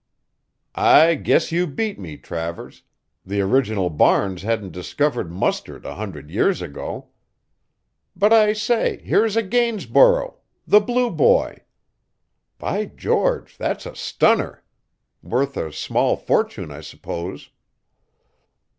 "I guess you beat me, Travers the original Barnes hadn't discovered mustard a hundred years ago. But I say, here's a Gainsborough, 'The Blue Boy.' By George! that's a stunner! Worth a small fortune, I suppose."